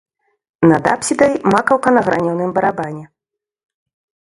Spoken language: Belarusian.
Над апсідай макаўка на гранёным барабане.